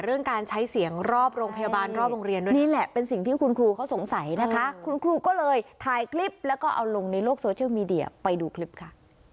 เรื่องการใช้เสียงรอบโรงพยาบาลรอบโรงเรียนด้วยนี่แหละเป็นสิ่งที่คุณครูเขาสงสัยนะคะคุณครูก็เลยถ่ายคลิปแล้วก็เอาลงในโลกโซเชียลมีเดียไปดูคลิปค่ะ